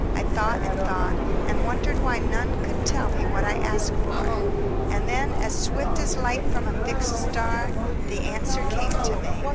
I thought and thought, and wondered why none could tell me what I asked for. And then, as swift as light from a fixed star, the answer came to me.